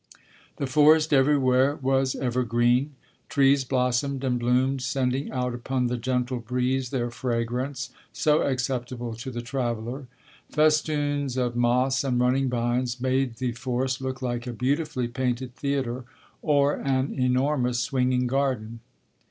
The forest everywhere was ever green. Trees blossomed and bloomed, sending out upon the gentle breeze their fragrance, so acceptable to the traveler. Festoons of moss and running vines made the forest look like a beautifully painted theatre or an enormous swinging garden.